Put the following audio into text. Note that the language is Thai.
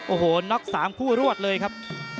โอ้โหน็อก๓คู่รวดเลยครับ